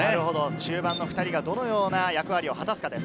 中盤の２人がどのような役割を果たすか。